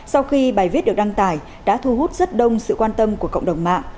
sau khi bài viết được đăng tải đã thu hút rất đông sự quan tâm của cộng đồng mạng